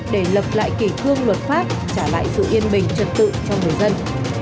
để lập lại kỳ thương luật pháp trả lại sự yên bình trật tự cho người dân